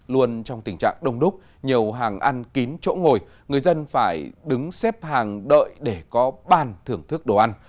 luôn trong tình trạng đông đúc nhiều hàng ăn kín chỗ ngồi người dân phải đứng xếp hàng đợi để có bàn thưởng thức đồ ăn